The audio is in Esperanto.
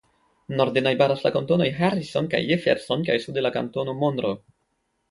Norde najbaras la kantonoj Harrison kaj Jefferson kaj sude la kantono Monroe.